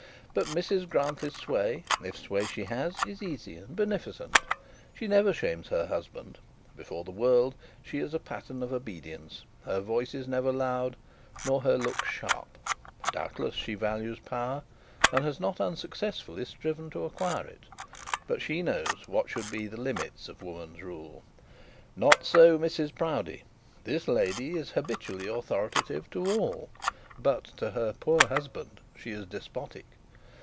But Mrs Grantly's sway, if sway she has, is easy and beneficent. She never shames her husband; before the world she is a pattern of obedience; her voice is never loud, nor her looks sharp: doubtless she values power, and has not unsuccessfully striven to acquire it; but she knows what should be the limits of woman's rule. Not so Mrs Proudie. This lady is habitually authoritative to all, but to her poor husband she is despotic.